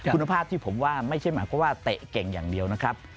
คุณภาพที่ผมว่าไม่ใช่หมายความว่าเตะเก่งอย่างเดียวนะครับ